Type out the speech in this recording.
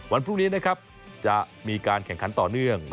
วันพรุ่งนี้นะครับจะมีการแข่งขันต่อเนื่อง